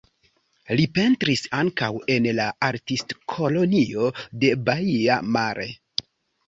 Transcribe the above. Li pentris ankaŭ en la Artistkolonio de Baia Mare.